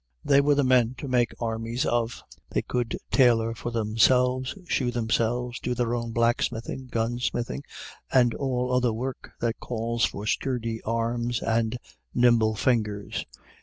They were the men to make armies of. They could tailor for themselves, shoe themselves, do their own blacksmithing, gun smithing, and all other work that calls for sturdy arms and nimble fingers.